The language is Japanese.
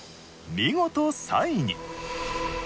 見事３位に。